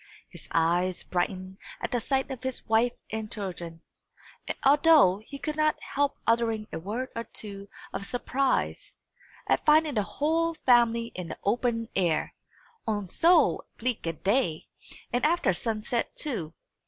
His eyes brightened at the sight of his wife and children, although he could not help uttering a word or two of surprise, at finding the whole family in the open air, on so bleak a day, and after sunset too.